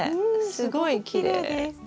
うんすごくきれいです。